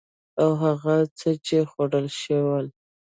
او هغه څه چې خوړلي يې شول